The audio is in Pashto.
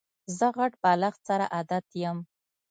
زه غټ بالښت سره عادت یم.